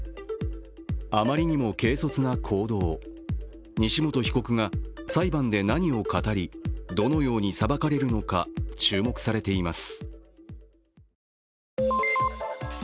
あまりにも軽率な行動、西本被告が裁判で何を語り、どのように裁かれるのか注目されています。